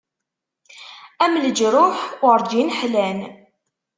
Am leǧruḥ urǧin ḥlan.